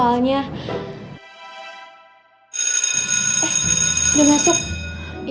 yaudah kalau gitu aku masuk ke kelas dulu ya kak